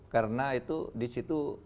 karena itu disitu